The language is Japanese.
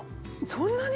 そんなに？